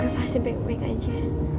gue pasti baik baik aja